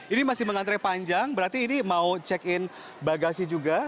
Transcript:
ini masih mengantre panjang berarti ini mau check in bagasi juga